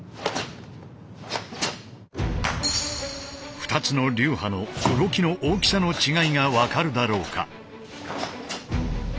２つの流派の動きの大きさの違いが分かるだろうか？